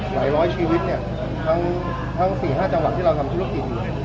ร้อยชีวิตเนี่ยทั้ง๔๕จังหวัดที่เราทำธุรกิจ